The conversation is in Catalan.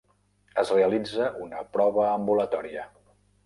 Es realitza una prova ambulatòria.